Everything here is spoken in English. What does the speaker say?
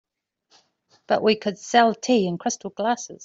But we could sell tea in crystal glasses.